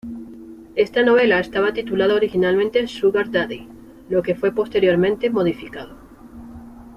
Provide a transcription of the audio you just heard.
Esta novela estaba titulada originalmente Sugar Daddy lo que fue posteriormente modificado.